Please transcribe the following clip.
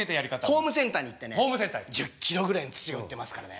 ホームセンターに行ってね１０キロぐらいの土が売ってますからね。